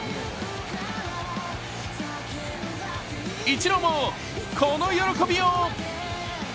イチローもこの喜びよう。